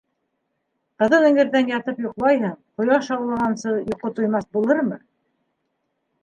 Ҡыҙыл эңерҙән ятып йоҡлайһың, ҡояш ауалағансы йоҡо туймаҫ булырмы.